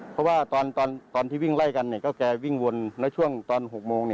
เพราะว่าตอนที่วิ่งไล่กันก็แกวิ่งวนแล้วช่วงตอน๖โมง